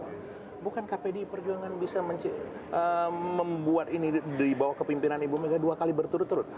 bahwa bukan kpd perjuangan bisa membuat ini di bawah kepimpinan ibu meka dua kali berturut turut